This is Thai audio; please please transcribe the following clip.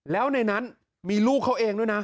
แล้วในนั้นมีลูกเขาเองด้วยนะ